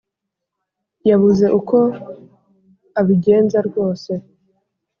yabuze uko abigenza rwose